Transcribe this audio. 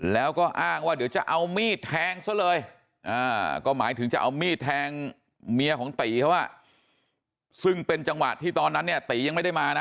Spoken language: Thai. แล้วก็อ้างว่าเดี๋ยวจะเอามีดแทงซะเลยก็หมายถึงจะเอามีดแทงเมียของตีเขาซึ่งเป็นจังหวะที่ตอนนั้นเนี่ยตียังไม่ได้มานะ